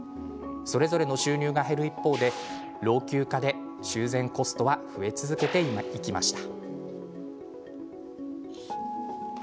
それぞれの収入が減る一方で老朽化で修繕コストは増え続けていきました。